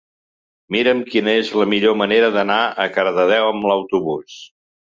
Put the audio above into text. Mira'm quina és la millor manera d'anar a Cardedeu amb autobús.